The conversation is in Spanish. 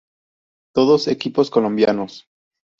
Todos equipos colombianos.